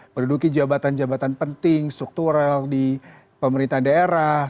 menduduki jabatan jabatan penting struktural di pemerintah daerah